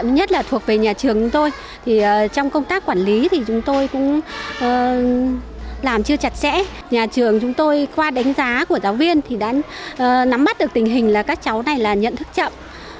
nhà trường chúng tôi qua đánh giá của giáo viên thì đã nắm mắt được tình hình là các cháu này là nhận thức chậm